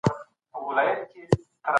نازکه